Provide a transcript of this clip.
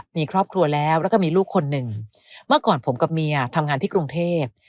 มีครอบครัวแล้วแล้วก็มีลูกคนหนึ่งเมื่อก่อนผมกับเมียทำงานที่กรุงเทพ